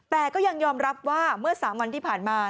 แต่ก็ยังยอมรับว่าเมื่อ๓วันที่ผ่านมา